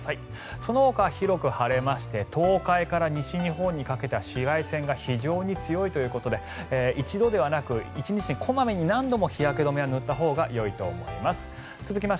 そのほか広く晴れまして東海から西日本にかけては紫外線が非常に強いということで一度ではなく１日に小まめに何度も日焼け止めは塗ったほうがよいと思います。